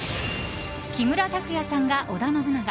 木村拓哉さんが織田信長